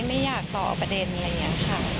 ไม่อยากต่อประเด็นอะไรอย่างนี้ค่ะ